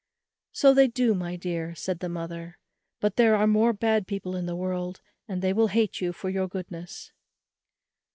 "So they do, my dear," said the mother, "but there are more bad people in the world, and they will hate you for your goodness."